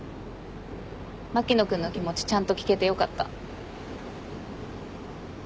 牧野君の気持ちちゃんと聞けてよかった。